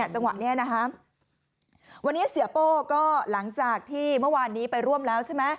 จังหวะนี้วันนี้เสียโป้ก็หลังจากที่เมื่อวานนี้ไปร่วมแล้วใช่ไหม